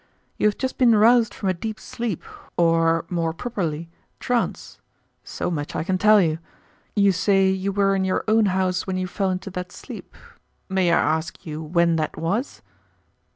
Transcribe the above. You have just been roused from a deep sleep, or, more properly, trance. So much I can tell you. You say you were in your own house when you fell into that sleep. May I ask you when that was?"